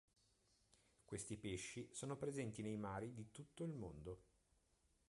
Questi pesci sono presenti nei mari di tutto il mondo.